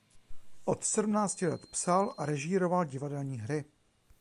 Od sedmnácti let psal a režíroval divadelní hry.